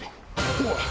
⁉おい！